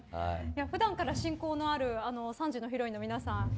普段から親交のある３時のヒロインの皆さん